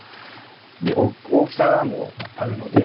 で大きさもあるので。